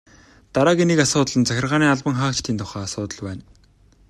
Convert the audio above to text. Дараагийн нэг асуудал нь захиргааны албан хаагчдын тухай асуудал байна.